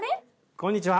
こんにちは。